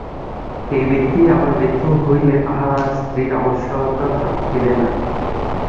সেই ব্যক্তিই আবার বৃদ্ধ হইলে তাহার আর স্ত্রীর আবশ্যকতা থাকিবে না।